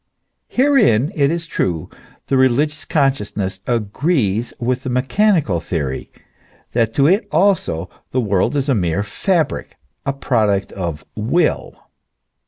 Herein, it is true, the religious consciousness agrees with the mechanical theory, that to it also the world is a mere fabric, a product of Will.